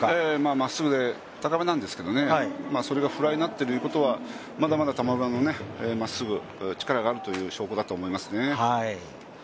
まっすぐで高めなんですけど、それがフライになっているということはまだまだ玉村のまっすぐ力があるということですね。